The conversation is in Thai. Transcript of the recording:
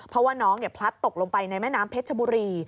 เพราะว่าน้องพลัดตกลงไปในแม่น้ำเพชรชบุรี